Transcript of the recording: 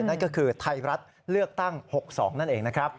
นั่นก็คือไทยรัฐเลือกตั้ง๖๒นั่นเองนะครับ